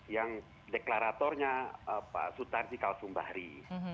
yang deklaratornya pak sutar sikalsumbahri